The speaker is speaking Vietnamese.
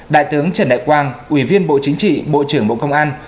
đại tướng trần đại quang ủy viên bộ chính trị bộ trưởng bộ công an